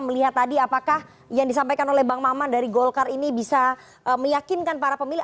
melihat tadi apakah yang disampaikan oleh bang maman dari golkar ini bisa meyakinkan para pemilih